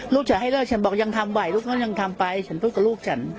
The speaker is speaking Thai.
จะให้เลิกฉันบอกยังทำไหวลูกฉันยังทำไปฉันพูดกับลูกฉัน